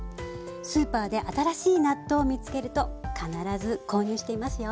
スーパーで新しい納豆を見つけると必ず購入していますよ。